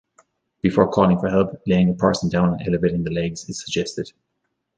Before calling for help, laying a person down and elevating the legs is suggested.